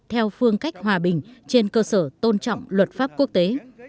theo phương cách hòa bình trên cơ sở tôn trọng luật pháp quốc tế